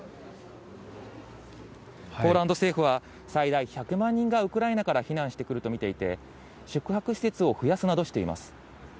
ポーランド政府は、最大１００万人がウクライナから避難してくると見ていて、宿泊施設を増やすなどしています。